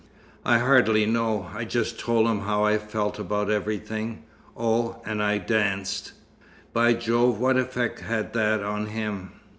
"I hardly know. I just told him how I felt about everything. Oh, and I danced." "By Jove! What effect had that on him?"